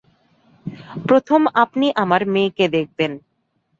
প্রথম আপনি আমার মেয়েকে দেখবেন।